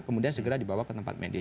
kemudian segera dibawa ke tempat medis